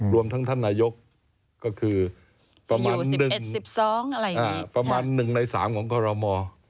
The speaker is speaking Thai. รวมทั้งท่านนายกก็คือประมาณ๑ใน๓ของคอรมอ